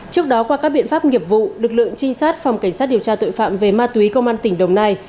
trước đó qua các biện pháp nghiệp vụ lực lượng trinh sát phòng cảnh sát điều tra tội phạm về ma túy công an tỉnh đồng nai